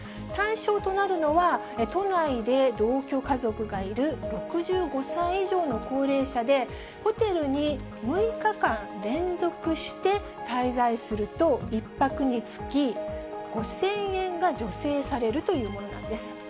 対象となるのは、都内で同居家族がいる６５歳以上の高齢者で、ホテルに６日間連続して滞在すると、１泊につき５０００円が助成されるというものなんです。